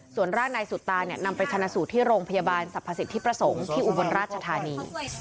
ส่วนร่างนายสุตาเนี่ยนำไปชนะสูตรที่โรงพยาบาลสรรพสิทธิประสงค์ที่อุบลราชธานี